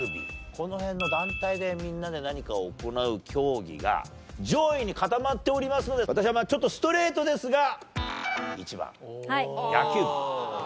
この辺の団体でみんなで何かを行う競技が上位に固まっておりますので私はちょっとストレートですが１番野球部となりました。